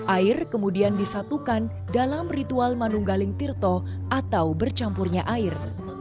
air kemudian disatukan dalam ritual manunggaling tirto atau bercampurnya air